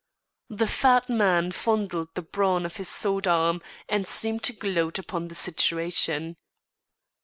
The fat man fondled the brawn of his sword arm and seemed to gloat upon the situation.